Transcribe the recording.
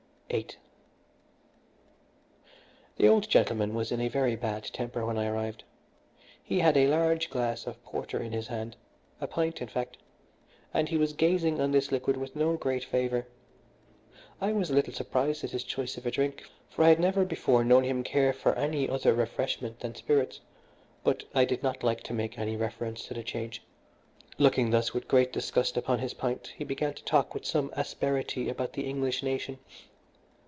VIII The old gentleman was in a very bad temper when I arrived. He had a large glass of porter in his hand a pint, in fact and he was gazing on this liquid with no great favour. I was a little surprised at his choice of a drink, for I had never before known him care for any other refreshment than spirits; but I did not like to make any reference to the change. Looking thus, with great disgust, upon his pint, he began to talk with some asperity about the English nation.